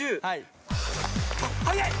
はい。